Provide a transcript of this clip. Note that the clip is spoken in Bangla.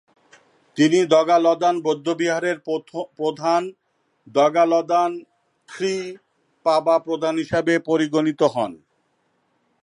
তিনি দ্গা'-ল্দান বৌদ্ধবিহারের প্রথম দ্গা'-ল্দান-খ্রি-পা বা প্রধান হিসেবে পরিগণিত হন।